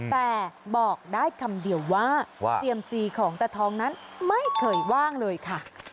แต่บอกได้คำเดียวว่าเซียมซีของตะทองนั้นไม่เคยว่างเลยค่ะ